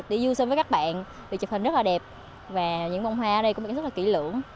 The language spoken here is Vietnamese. để dư sơn với các bạn vì chụp hình rất là đẹp và những bông hoa ở đây cũng rất là kỹ lưỡng